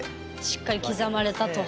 しっかり刻まれたと。